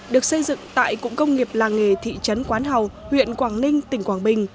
được xây dựng tại cụng công nghiệp làng nghề thị trấn quán hào huyện quảng ninh tỉnh quảng bình